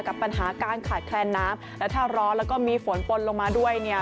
กับปัญหาการขาดแคลนน้ำแล้วถ้าร้อนแล้วก็มีฝนปนลงมาด้วยเนี่ย